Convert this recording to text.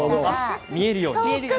見えるように。